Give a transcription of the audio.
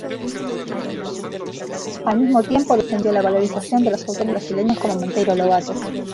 Al mismo tiempo, defendió la valorización de los autores brasileños, como Monteiro Lobato.